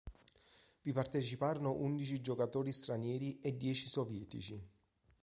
Vi parteciparono undici giocatori stranieri e dieci sovietici.